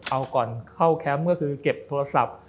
เอาก่อนเข้าแคมป์ก็คือเก็บโทรศัพท์